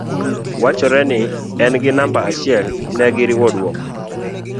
wachore ni en gi namba achiel negiriwo duoko